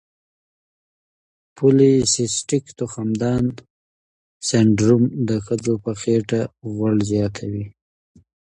پولی سیسټیک تخمدان سنډروم د ښځو په خېټه غوړ زیاتوي.